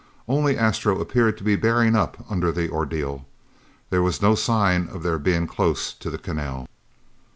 Only Astro appeared to be bearing up under the ordeal. There was no sign of their being close to the canal.